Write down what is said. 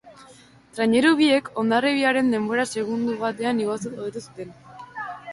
Traineru biek Hondarribiaren denbora segundo batean hobetu zuten.